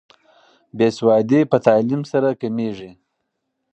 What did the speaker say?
بې سوادي په تعلیم سره کمیږي.